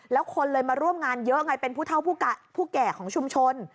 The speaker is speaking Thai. แล้วคนเลยมาร่วมงานเยอะไงเป็นผู้เท่าผู้แก่ของชุมชน